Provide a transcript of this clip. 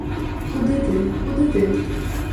Куды ты, куды ты?